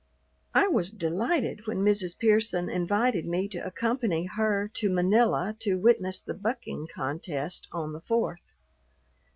I was delighted when Mrs. Pearson invited me to accompany her to Manila to witness the bucking contest on the Fourth.